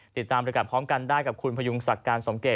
ติดตามบริการพร้อมกันได้กับคุณพยุงศักดิ์การสมเกต